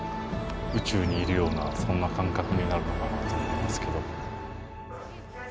宇宙にいるようなそんな感覚になるのかなと思いますけど。